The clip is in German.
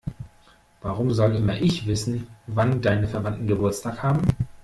Warum soll immer ich wissen, wann deine Verwandten Geburtstag haben?